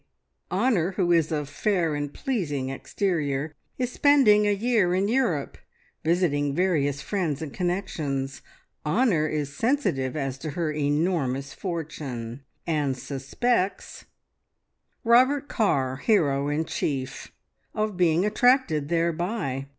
Honor, who is of fair and pleasing exterior, is spending a year in Europe visiting various friends and connections. Honor is sensitive as to her enormous fortune, and suspects: "Robert Carr, Hero in Chief, of being attracted thereby.